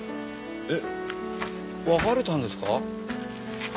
えっ別れたんですか？